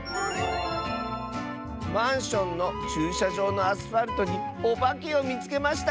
「マンションのちゅうしゃじょうのアスファルトにおばけをみつけました！」。